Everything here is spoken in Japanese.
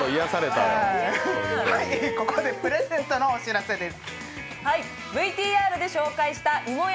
ここでプレゼントのお知らせです。